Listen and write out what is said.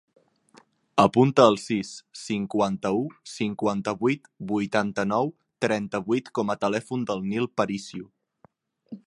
Apunta el sis, cinquanta-u, cinquanta-vuit, vuitanta-nou, trenta-vuit com a telèfon del Nil Paricio.